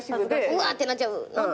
うわ！ってなっちゃうので。